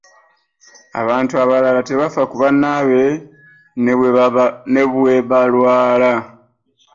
Abantu abalala tebafa ku bannaabwe ne bwebalwala.